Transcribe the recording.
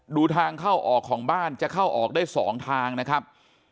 ดูทางเข้าออกของบ้านจะเข้าออกได้๒ทางนะครับ